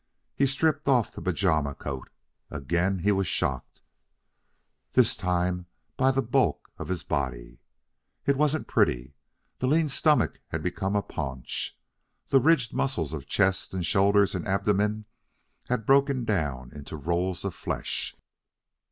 He stripped off the pajama coat. Again he was shocked, this time but the bulk of his body. It wasn't pretty. The lean stomach had become a paunch. The ridged muscles of chest and shoulders and abdomen had broken down into rolls of flesh.